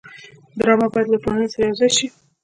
ډرامه باید له ټولنې سره یوځای شي